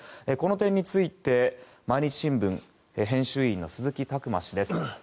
この点について毎日新聞編集委員の鈴木琢磨氏です。